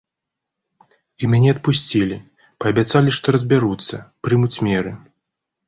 І мяне адпусцілі, паабяцалі, што разбяруцца, прымуць меры.